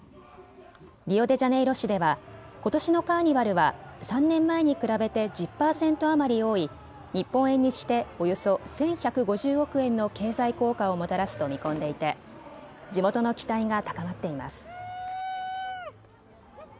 リオデジャネイロ市ではことしのカーニバルは３年前に比べて１０％余り多い日本円にしておよそ１１５０億円の経済効果をもたらすと見込んでいて地元の期待が高まっています。